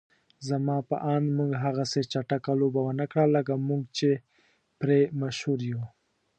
زما په اند موږ هغسې چټکه لوبه ونکړه لکه موږ چې پرې مشهور يو.